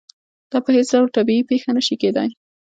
دا په هېڅ ډول طبیعي پېښه نه شي کېدای.